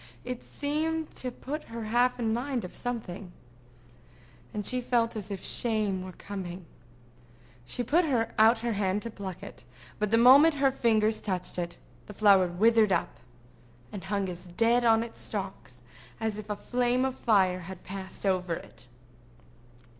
It seemed to put her half in mind of something, and she felt as if shame were coming. She put out her hand to pluck it; but the moment her fingers touched it, the flower withered up, and hung as dead on its stalks as if a flame of fire had passed over it.